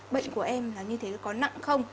bệnh của em là như thế có nặng không